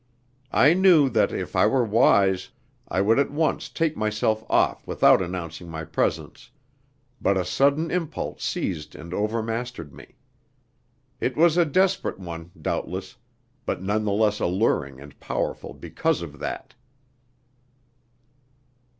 I knew that, if I were wise, I would at once take myself off without announcing my presence, but a sudden impulse seized and overmastered me. It was a desperate one, doubtless, but none the less alluring and powerful because of that.